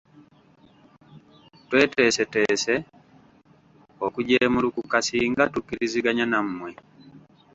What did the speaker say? Tweteeseteese okujeemulukuka singa tukkiriziganya nammwe.